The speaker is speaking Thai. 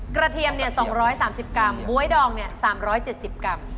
กระเทียมเนี่ย๒๓๐กรัมบ๊วยดองเนี่ย๓๗๐กรัม